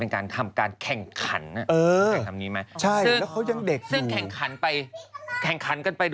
ผมว่ามันไม่มีประโยชน์อ่ะ